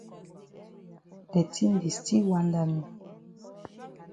De tin di still wanda me.